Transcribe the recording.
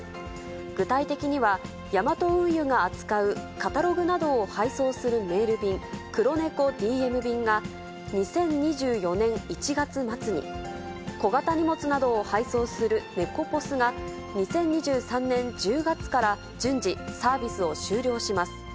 具体的には、ヤマト運輸が扱うカタログなどを配送するメール便、クロネコＤＭ便が、２０２４年１月末に、小型荷物などを配送するネコポスが、２０２３年１０月から順次、サービスを終了します。